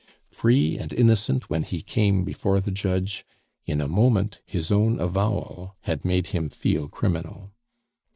Free and innocent when he came before the judge, in a moment his own avowal had made him feel criminal.